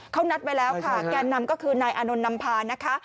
เขานัดไว้แล้วค่ะแกนนำก็คือนายอานนท์นำพานะคะ